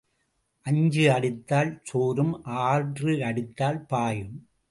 அஞ்சு அடித்தால் சோரும் ஆறு அடித்தால் பாயும்.